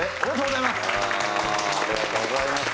ありがとうございます。